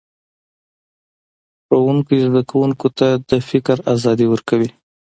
ښوونکی زده کوونکو ته د فکر ازادي ورکوي